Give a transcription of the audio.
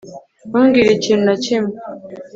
Ntumbwire ikintu na kimwe